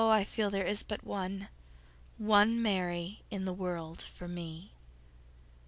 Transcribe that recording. I feel there is but one, One Mary in the world for me.